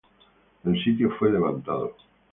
El sitio fue levantado.